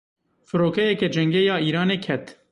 Firokeyeke cengê ya Îranê ket.